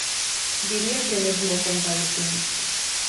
Diría que mesmo o compadecín.